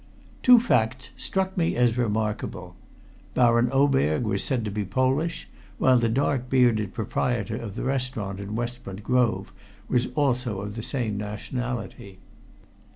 Two facts struck me as remarkable: Baron Oberg was said to be Polish, while the dark bearded proprietor of the restaurant in Westbourne Grove was also of the same nationality.